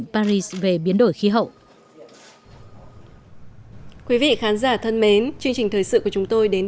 paris về biến đổi khí hậu